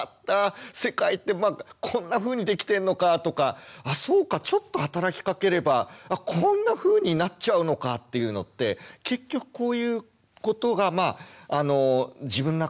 「世界ってこんなふうにできてんのか！」とか「あっそうかちょっと働きかければこんなふうになっちゃうのか」っていうのって結局こういうことが自分の中の自信につながってくわけですよね。